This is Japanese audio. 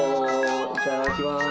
いただきます。